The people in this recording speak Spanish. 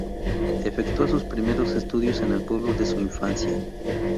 Efectúa sus primeros estudios en el pueblo de su infancia.